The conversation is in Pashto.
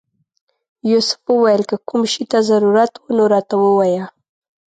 یوسف وویل که کوم شي ته ضرورت و نو راته ووایه.